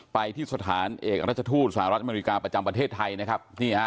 ไปที่สถานเอกราชทูตสหรัฐอเมริกาประจำประเทศไทยนะครับ